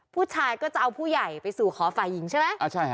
ผู้ชายก็จะเอาผู้ใหญ่ไปสู่ขอฝ่ายหญิงใช่ไหม